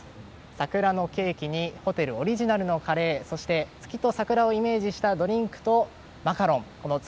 桜のケーキにホテルオリジナルのカレーそして月と桜をイメージしたドリンクとマカロン月